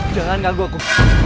jangan ganggu aku